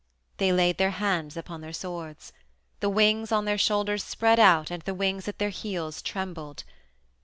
They laid their hands upon their swords. The wings on their shoulders spread out and the wings at their heels trembled.